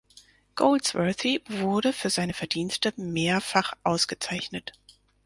Goldsworthy wurde für seine Verdienste mehrfach ausgezeichnet.